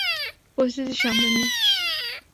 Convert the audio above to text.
পরিস্থিতি সামলে নিস।